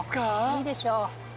いいでしょう。